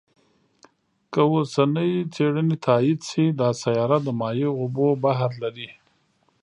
که اوسنۍ څېړنې تایید شي، دا سیاره د مایع اوبو بحر لري.